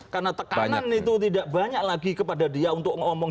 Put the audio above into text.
karena tekanan itu tidak banyak lagi kepada dia untuk ngomong